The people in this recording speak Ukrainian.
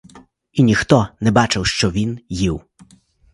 І ніхто не бачив, щоб він їв.